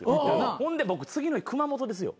ほんで僕次の日熊本ですよ。